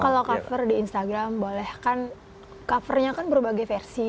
kalau cover di instagram boleh kan covernya kan berbagai versi